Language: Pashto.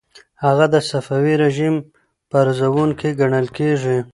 هغه د صفوي رژیم پرزوونکی ګڼل کیږي.